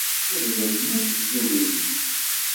Leqyud n lmut zzin-iyi-d.